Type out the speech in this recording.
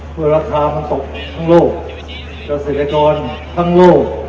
เพราะราคามันตกทั้งโลกตัวเสถียรกรทั้งโลก